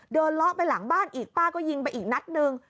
เลาะไปหลังบ้านอีกป้าก็ยิงไปอีกนัดนึง